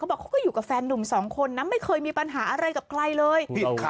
บอกเขาก็อยู่กับแฟนหนุ่มสองคนนะไม่เคยมีปัญหาอะไรกับใครเลย